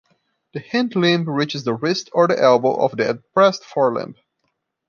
The hind limb reaches the wrist or the elbow of the adpressed fore limb.